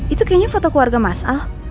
itu kayaknya foto keluarga mas al